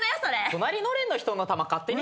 隣のレーンの人の球勝手に。